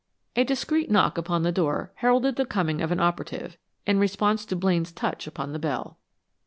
A discreet knock upon the door heralded the coming of an operative, in response to Blaine's touch upon the bell.